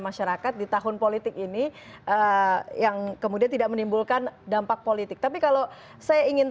masyarakat di tahun politik ini yang kemudian tidak menimbulkan dampak politik tapi kalau saya ingin